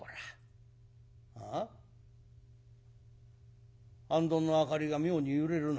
あんどんの明かりが妙に揺れるな。